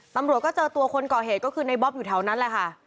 ตำรวจก็เจอตัวคนก่อเหตุก็คือในบ๊อบอยู่แถวนั้นแหละค่ะ